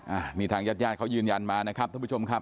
อันนี้ทางญาติญาติเขายืนยันมานะครับท่านผู้ชมครับ